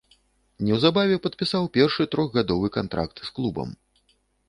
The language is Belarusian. Неўзабаве падпісаў першы трохгадовы кантракт з клубам.